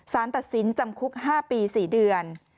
สารตัดสินจำคุก๕ปี๔เดือน